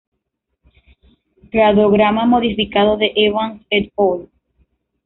Cladograma modificado de Evans "et al.